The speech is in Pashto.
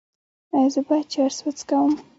ایا زه باید چرس وڅکوم؟